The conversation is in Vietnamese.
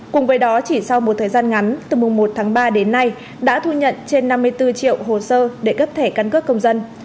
cùng với đó chỉ sau một thời gian ngắn từ mùng một tháng ba đến nay đã thu nhận trên năm mươi bốn triệu hồ sơ để cấp thẻ căn cước công dân